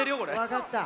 わかった。